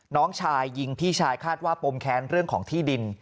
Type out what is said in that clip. น้องชายยิงพี่ชายคาดว่าปมแค้นเรื่องของที่ดิน